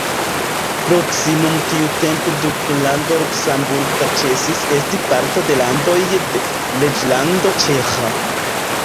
Proksimume tiutempe Duklando luksemburga ĉesis esti parto de landoj de Reĝlando ĉeĥa.